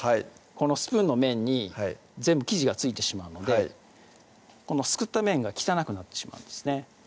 このスプーンの面に全部生地が付いてしまうのですくった面が汚くなってしまうんですね